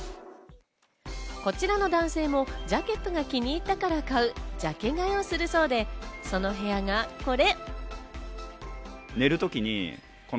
こちらの男性もジャケットが気に入ったから買う、ジャケ買いをするそうで、その部屋が、これ。